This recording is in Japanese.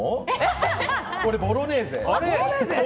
俺、ボロネーゼ。